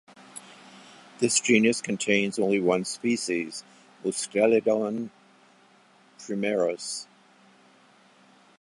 This genus contains only one species, "Mustelodon primerus".